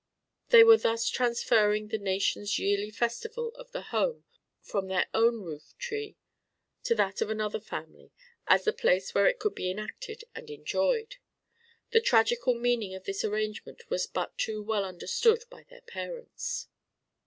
They were thus transferring the nation's yearly festival of the home from their own roof tree to that of another family as the place where it could be enacted and enjoyed. The tragical meaning of this arrangement was but too well understood by their parents.